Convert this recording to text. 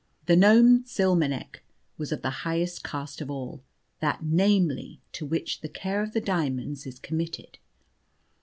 The gnome Tsilmenech was of the highest caste of all, that, namely, to which the care of the diamonds is committed.